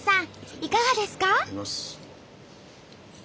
いかがですか？